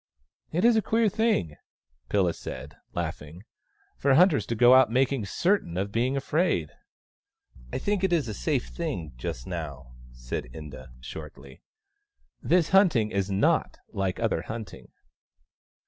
"It is a queer thing," Pilla said, laughing, " for hunters to go out making certain of being afraid." " I think it is a safe thing just now," said Inda shortly. " This hunting is not like other hunting."